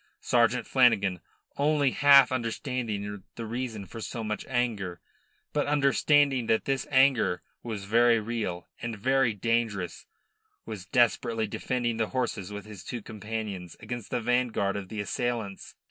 Sergeant Flanagan, only half understanding the reason for so much anger, but understanding that this anger was very real and very dangerous, was desperately defending the horses with his two companions against the vanguard of the assailants.